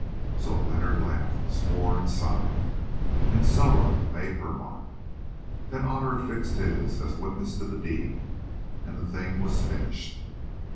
So Leonard laughed, swore, and signed, and Soa made her mark. Then Otter affixed his, as witness to the deed, and the thing was finished.